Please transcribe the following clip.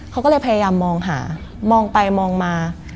เขาก็เลยพยายามมองหามองไปมองมา